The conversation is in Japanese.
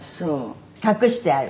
隠してある？